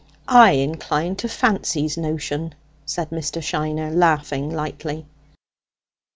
"I incline to Fancy's notion," said Mr. Shiner, laughing lightly.